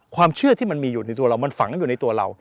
ความเชื่อที่มันมีอยู่ในตัวเรามันฝังอยู่ในตัวเรา